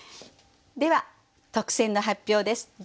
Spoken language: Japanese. では特選の発表です。